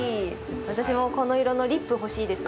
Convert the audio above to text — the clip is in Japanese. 私も、この色のリップ、欲しいです。